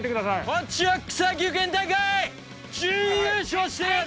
こっちは草野球県大会準優勝してんやで！